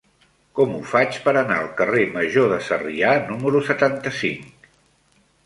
Com ho faig per anar al carrer Major de Sarrià número setanta-cinc?